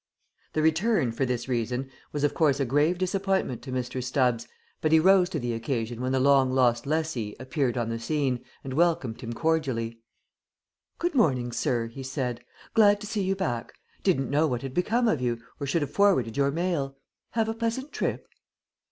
The return, for this reason, was of course a grave disappointment to Mr. Stubbs, but he rose to the occasion when the long lost lessee appeared on the scene, and welcomed him cordially. "Good morning, sir," he said. "Glad to see you back. Didn't know what had become of you or should have forwarded your mail. Have a pleasant trip?"